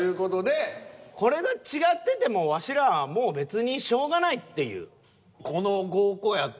これが違っててもワシらはもう別にしょうがないっていう。